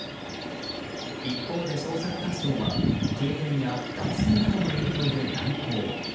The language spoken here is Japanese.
一方で捜索活動は停電や断水などの影響で難航。